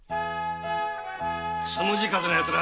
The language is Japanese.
「つむじ風」のヤツ